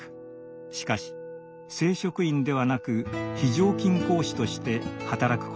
しかし正職員ではなく非常勤講師として働くことを求められました。